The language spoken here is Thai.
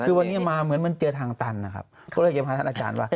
คือวันนี้มาเหมือนมันเจอทางตันนะครับก็เลยเก็บพระท่านอาจารย์ว่า